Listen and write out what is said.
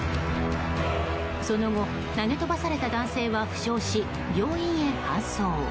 その後、投げ飛ばされた男性は負傷し病院へ搬送。